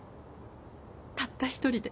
たった一人で。